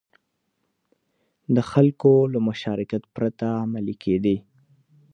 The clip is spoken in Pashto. د خلکو له مشارکت پرته عملي کېدې.